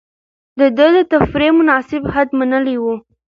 ده د تفريح مناسب حد منلی و.